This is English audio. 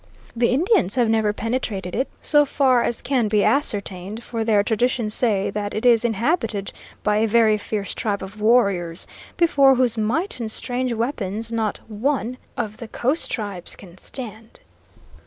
"The Indians have never penetrated it, so far as can be ascertained, for their traditions say that it is inhabited by a very fierce tribe of warriors, before whose might and strange weapons not one of the coast tribes can stand."